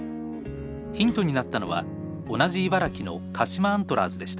ヒントになったのは同じ茨城の鹿島アントラーズでした。